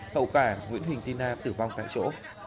hậu cả nguyễn huỳnh ti na tử vong tại chỗ